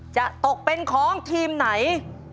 จะตกเป็นของทีมไหน